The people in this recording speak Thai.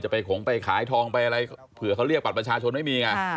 ไปขงไปขายทองไปอะไรเผื่อเขาเรียกบัตรประชาชนไม่มีไง